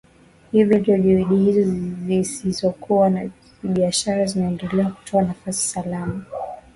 Hivi leo juhudi hizo zisizokuwa za kibiashara zinaendelea kutoa nafasi salama